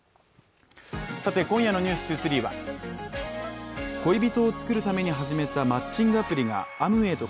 さて今夜の「ｎｅｗｓ２３」は恋人を作るために始めたマッチングアプリがアムウェイと